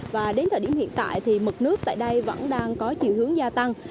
và đến thời điểm hiện tại thì mực nước tại đây vẫn đang có chiều hướng gia tăng